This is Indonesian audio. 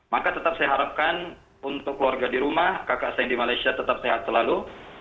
maka tetap saya harapkan untuk keluarga di rumah kakak saya di malaysia tetap sehat selalu